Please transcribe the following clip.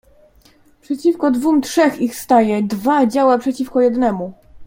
"Przeciwko dwóm trzech ich staje, dwa działa przeciwko jednemu."